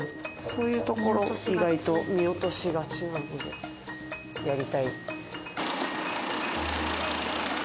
そういう所意外と見落としがちなのでやりたい。